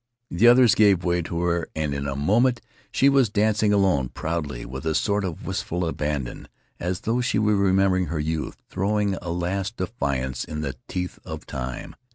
The others gave way to her, and in a moment she was dancing alone, proudly, with a sort of wistful abandon, as though she were remembering her youth, throwing a last defiance in the teeth of Time.